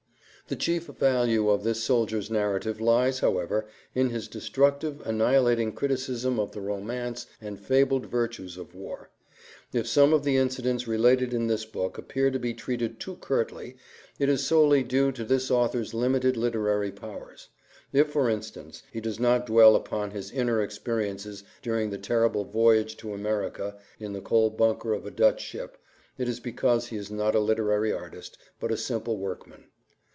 The chief value of this soldier's narrative lies, however, in his destructive, annihilating criticism of the romance and fabled virtues of war. If some of the incidents related in this book appear to be treated too curtly it is solely due to this author's limited literary powers. If, for instance, he does not dwell upon his inner experiences during his terrible voyage to America in the coal bunker of a Dutch ship it is because he is not a literary artist, but a simple workman.